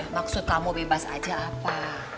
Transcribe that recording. maksud kamu bebas aja apa